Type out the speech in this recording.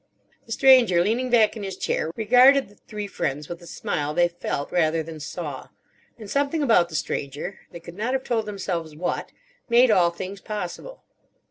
The Stranger, leaning back in his chair, regarded the three friends with a smile they felt rather than saw. And something about the Stranger—they could not have told themselves what—made all things possible.